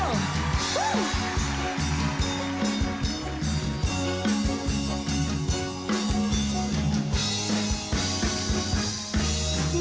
ของให้รวย